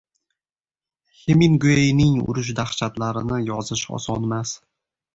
Hemingueyning urush dahshatlarini yozish osonmas.